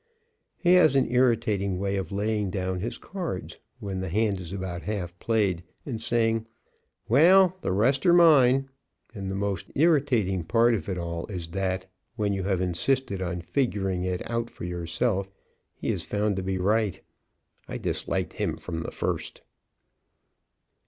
He has an irritating way of laying down his cards, when the hand is about half played, and saying: "Well, the rest are mine," and the most irritating part of it all is that, when you have insisted on figuring it out for yourself, he is found to be right. I disliked him from the first.